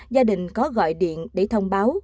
gia đình có gọi điện để thông báo